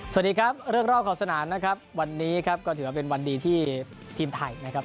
สวัสดีครับเรื่องรอบขอบสนามนะครับวันนี้ครับก็ถือว่าเป็นวันดีที่ทีมไทยนะครับ